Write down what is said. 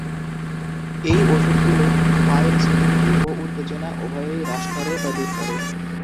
এই ওষুধগুলো পায়ের ঝিকিমিকি ও উত্তেজনা উভয়ই হ্রাস করে বা দূর করে।